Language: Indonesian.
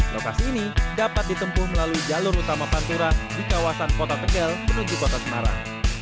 lokasi ini dapat ditempuh melalui jalur utama pantura di kawasan kota tegal menuju kota semarang